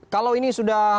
kalau ini sudah